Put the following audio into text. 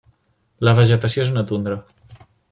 La vegetació és una tundra.